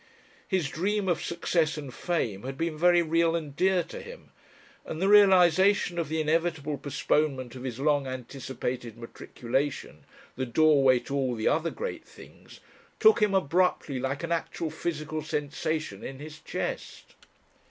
His dream of success and fame had been very real and dear to him, and the realisation of the inevitable postponement of his long anticipated matriculation, the doorway to all the other great things, took him abruptly like an actual physical sensation in his chest.